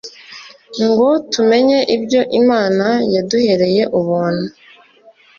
ngo tumenye ibyo imana yaduhereye ubuntu